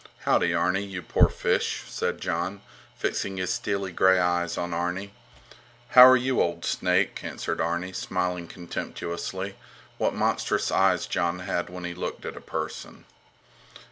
Howdy, Arni, you poor fish! said Jon, fixing his steely gray eyes on Arni. How are you, you old snake! answered Arni, smiling contemptuously. What monstrous eyes Jon had when he looked at a person!